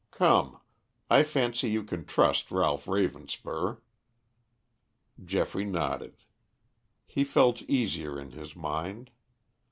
Come, I fancy you can trust Ralph Ravenspur." Geoffrey nodded. He felt easier in his mind.